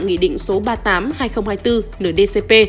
nghị định số ba mươi tám hai nghìn hai mươi bốn ndcp